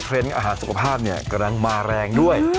เทรนด์อาหารสุขภาพกำลังมาแรงด้วย